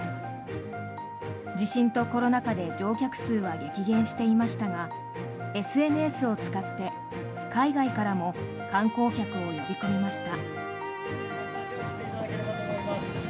地震とコロナ禍で乗客数は激減していましたがＳＮＳを使って、海外からも観光客を呼び込みました。